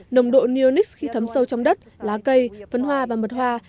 nồng độ munich khi thấm sâu trong đất lá cây phấn hoa và mật hoa